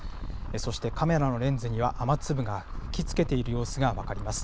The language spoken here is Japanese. そしてカメラのレンズには、雨粒が吹きつけている様子が分かります。